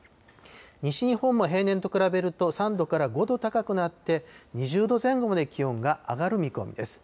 西日本も平年と比べると３度から５度高くなって、２０度前後まで気温が上がる見込みです。